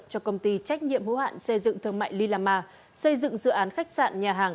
cho công ty trách nhiệm hữu hạn xây dựng thương mại lila ma xây dựng dự án khách sạn nhà hàng